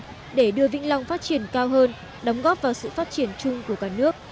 đồng chí mong muốn tỉnh vĩnh long phát triển cao hơn đóng góp vào sự phát triển chung của cả nước